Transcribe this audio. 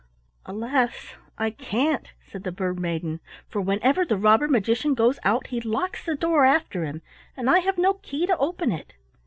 "Alas! I can't," said the Bird maiden, "for whenever the robber magician goes out he locks the door after him, and I have no key to open it."